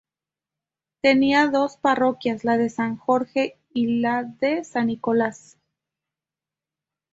Tenía dos parroquias, la de San Jorge y la de San Nicolás.